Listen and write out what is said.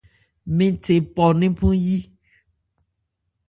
Mɛn nthe 'phɔ́ ńnephan yí.